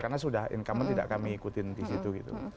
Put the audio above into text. karena sudah inkamben tidak kami ikutin di situ gitu